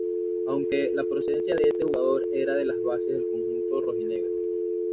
Aunque la procedencia de este jugador era de las bases del conjunto rojinegro.